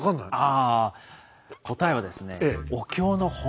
あ答えはですねあっ